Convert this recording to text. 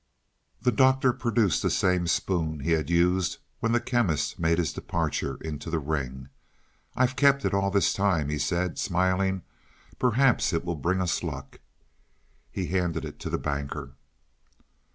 The Doctor produced the same spoon he had used when the Chemist made his departure into the ring. "I've kept it all this time," he said, smiling. "Perhaps it will bring us luck." He handed it to the Banker.